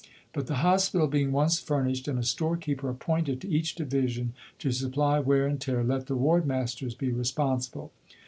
But the Hospital being once furnished, and a store keeper appointed to each division to supply wear and tear, let the Ward Masters be responsible.